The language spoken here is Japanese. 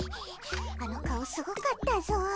あの顔すごかったぞ。